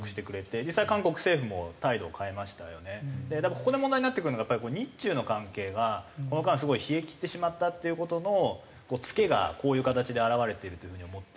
ここで問題になってくるのが日中の関係がこの間すごい冷えきってしまったっていう事のツケがこういう形で表れているという風に思っていて。